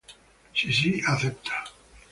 Sissi acepta.